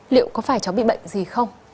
liệu có phải cháu bị bệnh gì không